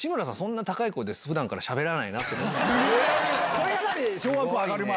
それが小学校上がる前？